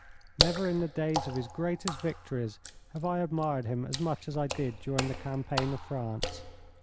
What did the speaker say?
Never in the days of his greatest victories have I admired him as much as I did during the Campaign of France.